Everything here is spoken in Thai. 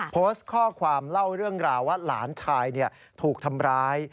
โพสต์ข้อความเล่าเรื่องราวว่าหลานชายถูกทำร้าย